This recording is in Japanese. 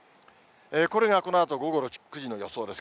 これがこのあと午後６時の予想です。